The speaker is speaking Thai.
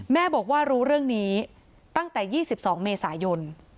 แม่บอกว่ารู้เรื่องนี้ตั้งแต่๒๒เมษายน